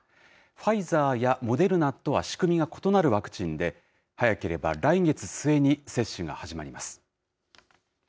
ファイザーやモデルナとは仕組みが異なるワクチンで、早ければ来月末に接種が始まります。